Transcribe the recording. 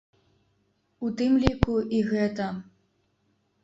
У тым ліку, і гэта.